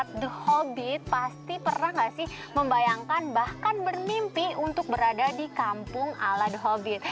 kalau anda sudah pernah ke tempat hobbit pasti pernah gak sih membayangkan bahkan bermimpi untuk berada di kampung ala the hobbit